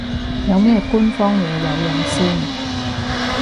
有咩官方嘢有用先